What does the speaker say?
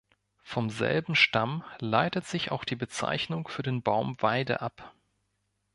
Vom selben Stamm leitet sich auch die Bezeichnung für den Baum Weide ab.